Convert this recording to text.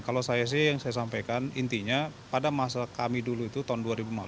kalau saya sih yang saya sampaikan intinya pada masa kami dulu itu tahun dua ribu lima belas